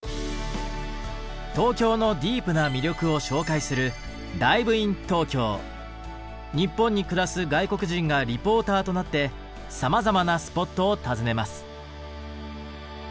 東京のディープな魅力を紹介する日本に暮らす外国人がリポーターとなってさまざまなスポットを訪ねます。